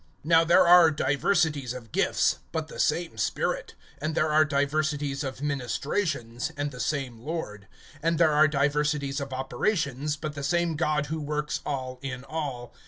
(4)Now there are diversities of gifts, but the same Spirit. (5)And there are diversities of ministrations, and the same Lord. (6)And there are diversities of operations, but the same God who works all in all.